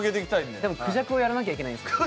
でも、クジャクしなきゃいけないんですよね？